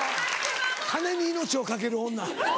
金に命を懸ける女。